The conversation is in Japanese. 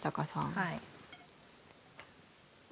はい。